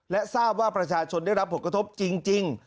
และทราบว่าประชาชนได้รับผลกระทบจริง